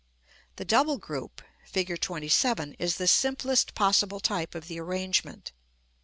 The double group, Fig. XXVII., is the simplest possible type of the arrangement.